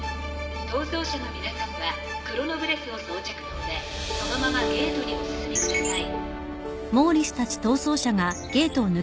逃走者の皆さんはクロノブレスを装着の上そのままゲートにお進みください。